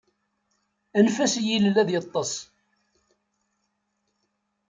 Anef-as i yilel ad yeṭṭes.